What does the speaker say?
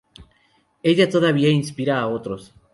Ella todavía inspira a otros.